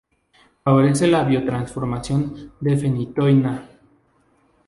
Favorece la Biotransformación de Fenitoína.